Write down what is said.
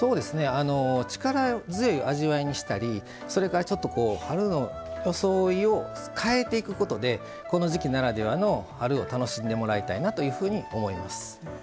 力強い味わいにしたりそれから春の装いを変えていくことでこの時季ならではの春を楽しんでもらいたいなというふうに思います。